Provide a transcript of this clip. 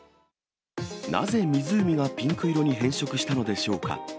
なぜ湖がピンク色に変色したのでしょうか。